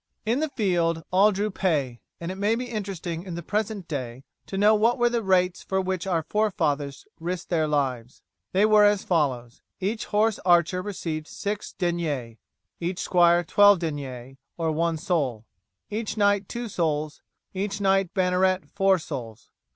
In the field all drew pay, and it may be interesting in the present day to know what were the rates for which our forefathers risked their lives. They were as follows: each horse archer received 6 deniers, each squire 12 deniers or 1 sol, each knight 2 sols, each knight banneret 4 sols.